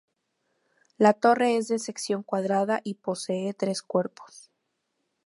La torre es de sección cuadrada y posee tres cuerpos.